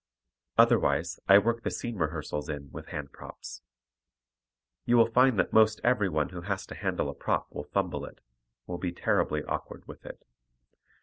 Otherwise I work the scene rehearsals in with hand props. You will find that most every one who has to handle a prop will fumble it, will be terribly awkward with it.